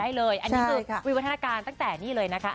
ให้เลยอันนี้คือวิวัฒนาการตั้งแต่นี่เลยนะคะ